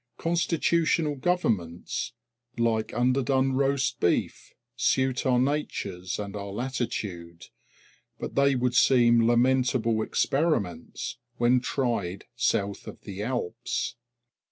Constitutional governments, like underdone roast beef, suit our natures and our latitude; but they would seem lamentable experiments when tried south of the Alps.